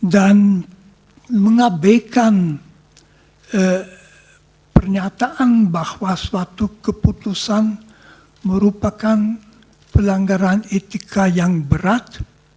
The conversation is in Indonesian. dan mengabaikan pernyataan bahwa suatu keputusan merupakan pelanggaran etika yang berat